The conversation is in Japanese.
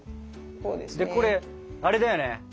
これあれだよね